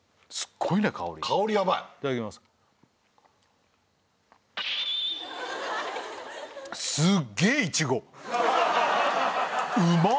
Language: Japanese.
香りヤバいいただきますうまっ！